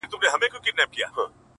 انسانيت له ازموينې تېريږي سخت-